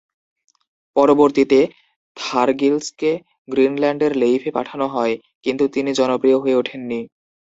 পরবর্তীতে থর্গিলসকে গ্রীনল্যান্ডের লেইফে পাঠানো হয়, কিন্তু তিনি জনপ্রিয় হয়ে ওঠেননি।